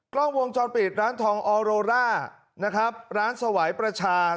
กล้องวงจรปิดร้านทองออโรร่านะครับร้านสวัยประชา